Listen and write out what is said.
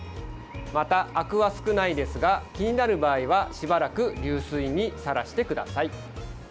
また、あくは少ないですが気になる場合はしばらく流水にさらしてください。